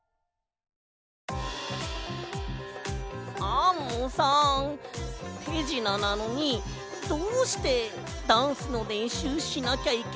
アンモさんてじななのにどうしてダンスのれんしゅうしなきゃいけないの？